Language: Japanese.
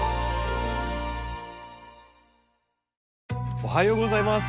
おはようございます。